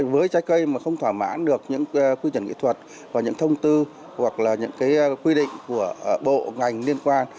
với trái cây mà không thỏa mãn được những quy chuẩn kỹ thuật và những thông tư hoặc là những cái quy định của bộ ngành liên quan